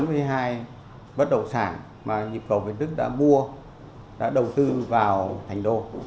với hai bất đồng sản mà nhịp cầu việt đức đã mua đã đầu tư vào thành đô